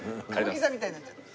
歌舞伎座みたいになっちゃった。